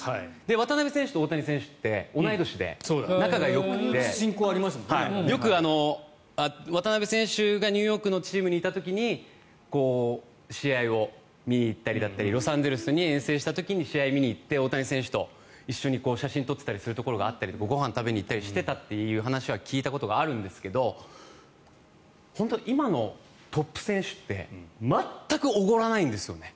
渡邊選手と大谷選手って同い年で仲よくてよく渡邊選手がニューヨークのチームにいた時に試合を見に行ったりロサンゼルスに遠征した時に試合を見に行って大谷選手と一緒に写真を撮ってたりするところがあったりご飯を食べに行ってたという話を聞いたことがあるんですけど今のトップ選手って全くおごらないんですよね。